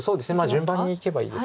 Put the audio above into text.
順番にいけばいいです。